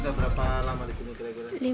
sudah berapa lama di sini